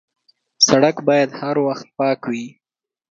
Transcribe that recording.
سړک باید هر وخت پاک وي.